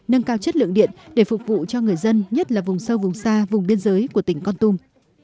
nâng cao chất lượng điện để phục vụ cho người dân nhất là vùng sâu vùng xa vùng biên giới của tỉnh con tum